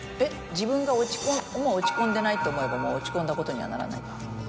自分がもう落ち込んでないと思えばもう落ち込んだことにはならないから。